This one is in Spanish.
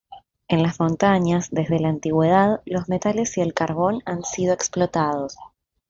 En las montañas, desde la antigüedad, los metales y el carbón han sido explotados.